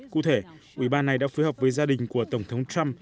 cụ thể ủy ban này đã phối hợp với gia đình của tổng thống trump